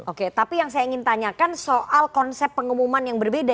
oke tapi yang saya ingin tanyakan soal konsep pengumuman yang berbeda